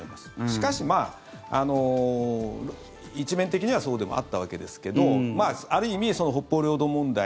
しかし、一面的にはそうでもあったわけですがある意味、北方領土問題